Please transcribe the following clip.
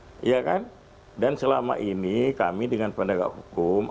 apakah dari polisian kejaksaan kpk terhadap pelayanan terhadap alam kesehatan terhadap hal ini